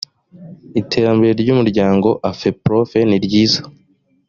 iterambere ry umuryango afeprof niryiza